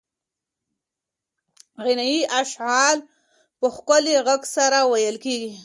غنایي اشعار په ښکلي غږ سره ویل کېږي.